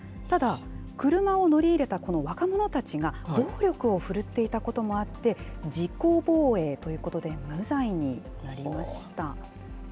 ただ、車を乗り入れたこの若者たちが暴力をふるっていたこともあって、自己防衛ということで無罪になりました。